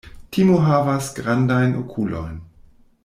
Timo havas grandajn okulojn.